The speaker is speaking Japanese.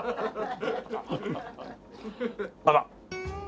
あら。